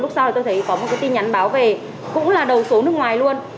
sau đó tôi thấy có một cái tin nhắn báo về cũng là đầu số nước ngoài luôn